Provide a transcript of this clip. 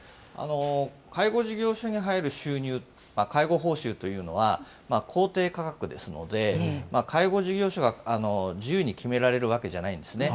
介護事業者に入る収入、介護報酬というのは公定価格ですので、介護事業者が自由に決められるわけじゃないんですね。